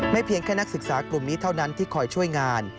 เพียงแค่นักศึกษากลุ่มนี้เท่านั้นที่คอยช่วยงาน